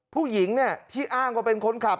ผู้หญิงที่อ้างว่าเป็นคนขับ